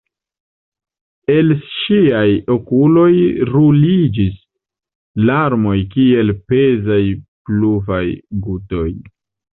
El ŝiaj okuloj ruliĝis larmoj kiel pezaj pluvaj gutoj.